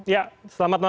ya selamat malam